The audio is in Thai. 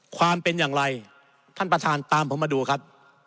ความเป็นอย่างไรท่านประธานตามผมมาดูครับ